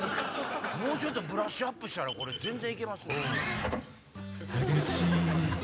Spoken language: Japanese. もうちょっとブラッシュアップしたら全然いけますね。